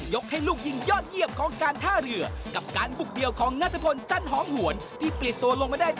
อย่างเนื้อชั้นหับเต็มข้อ